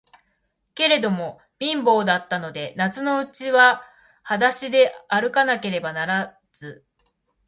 けれども、貧乏だったので、夏のうちははだしであるかなければならず、